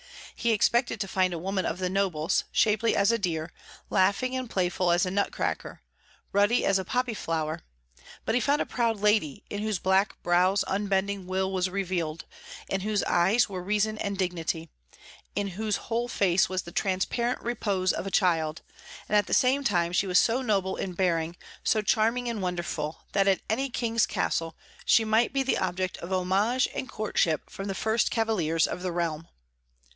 He expected to find a woman of the nobles, shapely as a deer, laughing and playful as a nutcracker, ruddy as a poppy flower; but he found a proud lady, in whose black brows unbending will was revealed, in whose eyes were reason and dignity, in whose whole face was the transparent repose of a child; and at the same time she was so noble in bearing, so charming and wonderful, that at any king's castle she might be the object of homage and courtship from the first cavaliers of the realm.